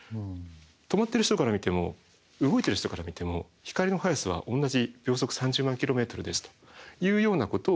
止まってる人から見ても動いてる人から見ても光の速さは同じ秒速３０万ｋｍですというようなことを言ってる。